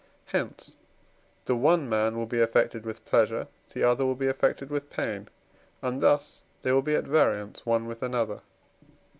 Hence the one man will be affected with pleasure, the other will be affected with pain, and thus they will be at variance one with another.